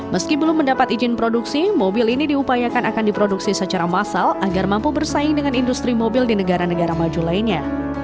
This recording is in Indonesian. meski belum mendapat izin produksi mobil ini diupayakan akan diproduksi secara massal agar mampu bersaing dengan industri mobil di negara negara maju lainnya